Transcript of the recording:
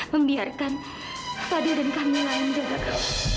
membiarkan fadil dan kamila yang jaga kamu